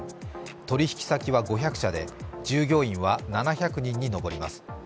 取引先は５００社で、従業員は７００人にのぼります。